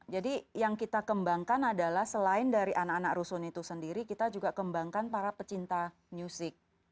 yang kita kembangkan adalah selain dari anak anak rusun itu sendiri kita juga kembangkan para pecinta musik